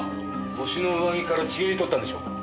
犯人の上着からちぎり取ったんでしょうか。